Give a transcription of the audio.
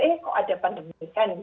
eh kok ada pandemi kan